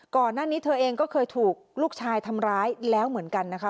ก่อนหน้านี้เธอเองก็เคยถูกลูกชายทำร้ายแล้วเหมือนกันนะคะ